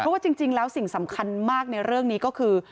เพราะว่าจริงแล้วสิ่งสำคัญมากในเรื่องนี้ก็คือ